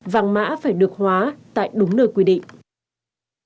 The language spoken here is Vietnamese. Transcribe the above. vàng mã phải được hóa tại đúng nơi quy định